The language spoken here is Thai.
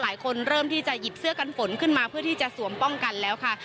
เริ่มที่จะหยิบเสื้อกันฝนขึ้นมาเพื่อที่จะสวมป้องกันแล้วค่ะ